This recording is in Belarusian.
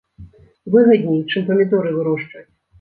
Выгадней, чым памідоры вырошчваць.